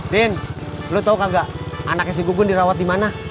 din lu tau gak anaknya si gugun dirawat dimana